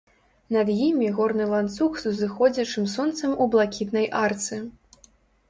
Над імі горны ланцуг з узыходзячым сонцам у блакітнай арцы.